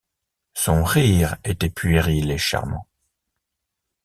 Son rire était puéril et charmant.